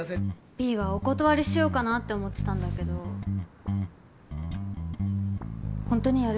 Ｂはお断りしようかなって思ってたんだけど本当にやる？